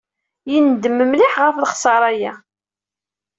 Yendem mliḥ ɣef lexṣara-a.